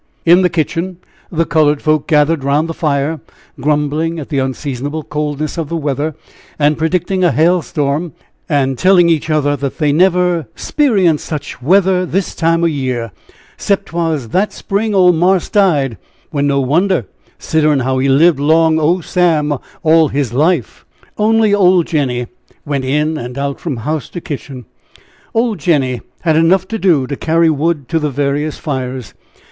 In the kitchen, the colored folk gathered around the fire, grumbling at the unseasonable coldness of the weather, and predicting a hail storm, and telling each other that they never "'sperienced" such weather this time o' year, 'cept 'twas that spring Old Marse died when no wonder, "'siderin' how he lived long o' Sam all his life." Only old Jenny went in and out from house to kitchen, Old Jenny had enough to do to carry wood to the various fires.